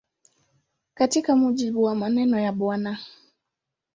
Katika mujibu wa maneno ya Bw.